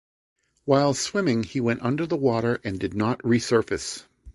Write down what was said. While swimming he went under the water and did not resurface.